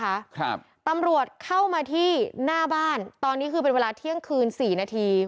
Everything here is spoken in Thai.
ครับตำรวจเข้ามาที่หน้าบ้านตอนนี้คือเป็นเวลาเที่ยงคืนสี่นาที